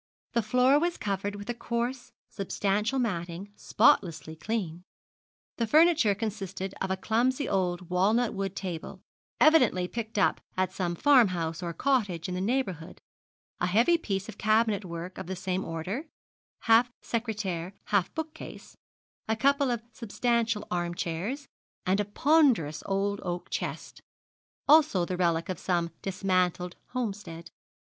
The floor was covered with a coarse, substantial matting, spotlessly clean. The furniture consisted of a clumsy old walnut wood table, evidently picked up at some farmhouse or cottage in the neighbourhood, a heavy piece of cabinet work of the same order, half secretaire half bookcase, a couple of substantial arm chairs, and a ponderous old oak chest also the relic of some dismantled homestead.